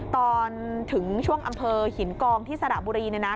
ตอนถึงช่วงอำเภอหินกองที่สระบุรีเนี่ยนะ